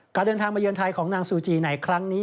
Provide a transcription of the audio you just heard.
เดินทางมาเยือนไทยของนางซูจีในครั้งนี้